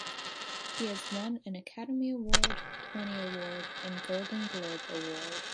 He has won an Academy Award, Tony Award, and Golden Globe Award.